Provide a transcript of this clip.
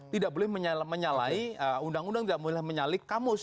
tidak boleh menyalahi undang undang tidak boleh menyalip kamus